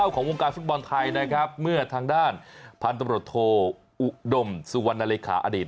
ของวงการฟุตบอลไทยนะครับเมื่อทางด้านพันธบรวจโทอุดมสุวรรณเลขาอดีต